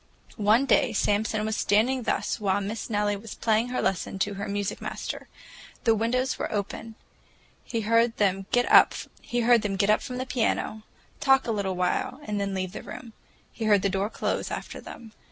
One day Samson was standing thus while Miss Nellie was playing her lesson to her music master. The windows were open. He heard them get up from the piano, talk a little while, and then leave the room. He heard the door close after them.